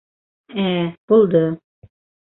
— Ә, булды.